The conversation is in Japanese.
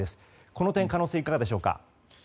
この点、可能性はいかがでしょうか。